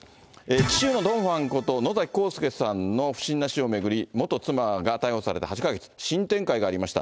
紀州のドン・ファンこと、野崎幸助さんの不審な死を巡り、元妻が逮捕されて８か月、新展開がありました。